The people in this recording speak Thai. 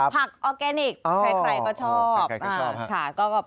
ออร์แกนิคใครก็ชอบ